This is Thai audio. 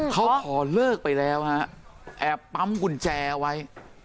เขาขอเลิกไปแล้วฮะแอบปั๊มกุญแจเอาไว้